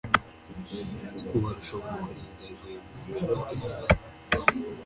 Uwa Rushobora kulinda yaguye mu nshuro iraye;